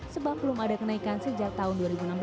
sebab belum ada kenaikan sejak tahun dua ribu enam belas